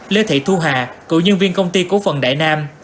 lê thị thu hà cựu nhân viên công ty cổ phần đại nam